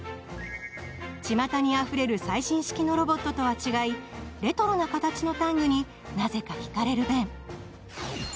ちまたにあふれる最新式のロボットとは違いレトロな形のタングになぜか引かれるベン。